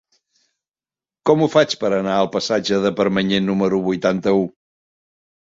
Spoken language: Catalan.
Com ho faig per anar al passatge de Permanyer número vuitanta-u?